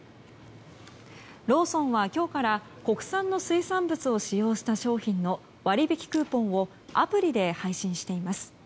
ローソンは今日から国産の水産物を使用した商品の割引クーポンをアプリで配信しています。